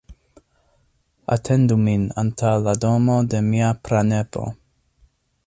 Atendu min antaŭ la domo de mia pranepo.